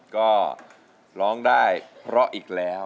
ก็ร้องได้เพราะอีกแล้ว